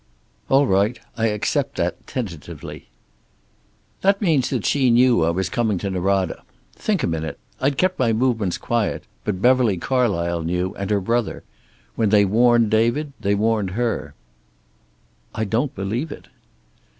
"All right. I accept that, tentatively." "That means that she knew I was coming to Norada. Think a minute; I'd kept my movements quiet, but Beverly Carlysle knew, and her brother. When they warned David they warned her." "I don't believe it."